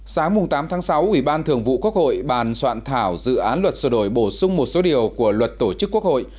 sáng tám tháng sáu ủy ban thường vụ quốc hội bàn soạn thảo dự án luật sửa đổi bổ sung một số điều của luật tổ chức quốc hội